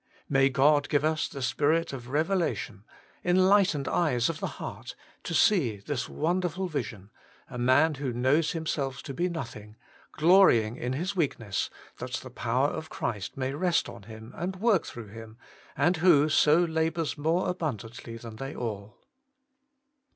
May God give us ' the 133 134 Working for God Spirit of revelation, enlightened eyes of the heart,' to see this wonderful vision, a man who knows himself to be nothing, glorying in his weakness, that the power of Christ may rest on him, and work through him, and who so labours more abundantly than all.